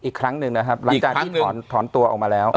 อีกครั้งหนึ่งนะครับหลังจากที่ถอนตัวออกมาแล้ว